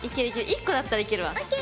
１個だったらいけるわ。ＯＫ。